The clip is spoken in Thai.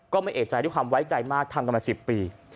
ไม่เอกใจด้วยความไว้ใจมากทำกันมา๑๐ปี